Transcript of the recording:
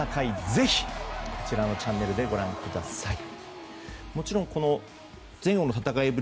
ぜひ、こちらのチャンネルでご覧ください。